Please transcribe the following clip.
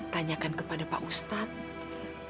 tanyakan kepada pak ustadz